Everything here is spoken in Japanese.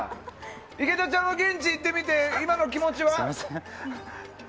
池田ちゃんは現地に行ってみて今の気持ちは？